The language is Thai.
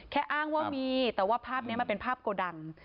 อ้างว่ามีแต่ว่าภาพนี้มันเป็นภาพโกดัง